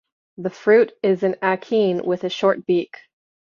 The fruit is an achene with a short beak.